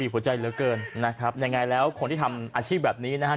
หัวใจเหลือเกินนะครับยังไงแล้วคนที่ทำอาชีพแบบนี้นะฮะ